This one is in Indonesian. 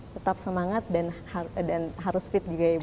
tetap semangat dan harus fit juga ya ibu